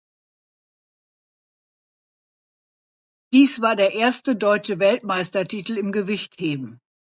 Dies war der erste deutsche Weltmeistertitel im Gewichtheben.